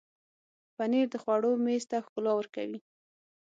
پنېر د خوړو میز ته ښکلا ورکوي.